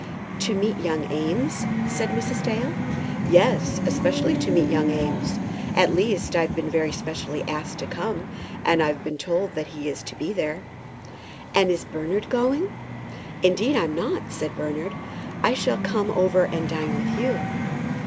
"To meet young Eames?" said Mrs. Dale. "Yes, especially to meet young Eames. At least, I've been very specially asked to come, and I've been told that he is to be there." "And is Bernard going?" "Indeed I'm not," said Bernard. "I shall come over and dine with you."